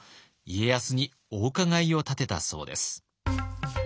家康にお伺いを立てたそうです。